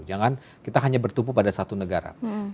jangan kita hanya bertumpu pada satu negara